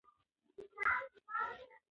ښځې له سیاسي او تعلیمي حقوقو محرومې وې.